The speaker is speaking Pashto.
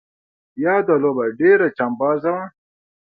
یاده لوبه ډېره چمبازه وه.